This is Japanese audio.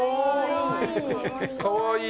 かわいい。